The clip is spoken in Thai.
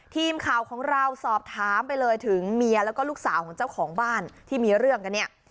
ทีมข่าวของเราสอบถามไปเลยถึงเมียแล้วก็ลูกสาวของเจ้าของบ้านที่มีเรื่องกันเนี่ย